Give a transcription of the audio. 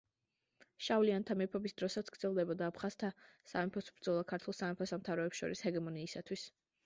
შავლიანთა მეფობის დროსაც გრძელდებოდა აფხაზთა სამეფოს ბრძოლა ქართულ სამეფო–სამთავროებს შორის ჰეგემონიისათვის.